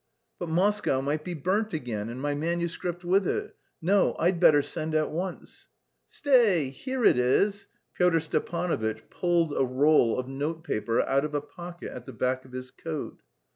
"But Moscow might be burnt again and my manuscript with it. No, I'd better send at once." "Stay, here it is!" Pyotr Stepanovitch pulled a roll of note paper out of a pocket at the back of his coat.